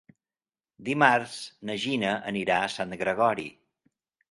Dimarts na Gina anirà a Sant Gregori.